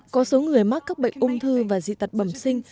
có số người mắc các bệnh ung thư và dị tật bẩm sinh